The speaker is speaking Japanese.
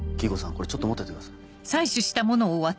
これちょっと持っててください。